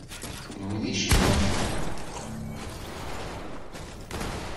Kenwi d icinwaten?